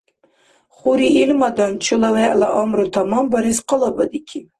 Хури илмадан чула вегӀла амру таманбарес къалабадикиб.